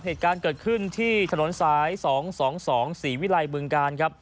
เหตุการณ์เกิดขึ้นที่ถนนสาย๒๒๒ศรีวิลัยบึงกาลครับ